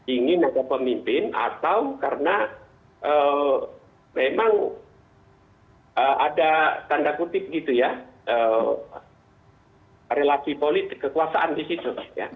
ingin ada pemimpin atau karena memang ada tanda kutip gitu ya relasi politik kekuasaan di situ